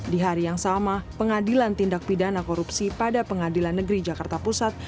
di hari yang sama pengadilan tindak pidana korupsi pada pengadilan negeri jakarta pusat